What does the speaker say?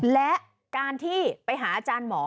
และการที่ไปหาอาจารย์หมอ